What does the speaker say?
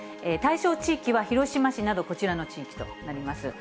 対象地域は、広島市など、こちらの地域となります。